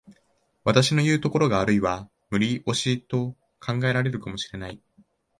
私のいう所があるいは無理押しと考えられるかも知れない。